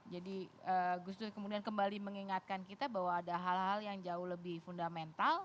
jadi gus dur kemudian kembali mengingatkan kita bahwa ada hal hal yang jauh lebih fundamental